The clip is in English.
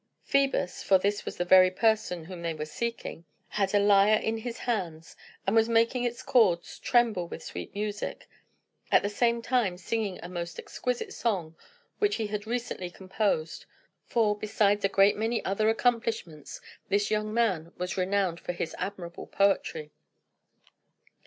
Phœbus (for this was the very person whom they were seeking) had a lyre in his hands, and was making its chords tremble with sweet music; at the same time singing a most exquisite song, which he had recently composed. For, besides a great many other accomplishments, this young man was renowned for his admirable poetry.